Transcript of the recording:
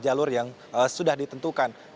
jalur yang sudah ditentukan